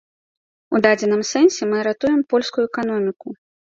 У дадзеным сэнсе мы ратуем польскую эканоміку.